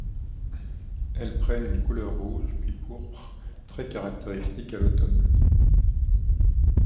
Elles prennent une couleur rouge puis pourpre très caractéristique à l'automne.